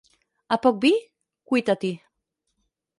A poc vi, cuita-t'hi.